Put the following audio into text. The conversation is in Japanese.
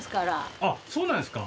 あっそうなんですか？